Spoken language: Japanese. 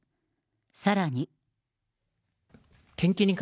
さらに。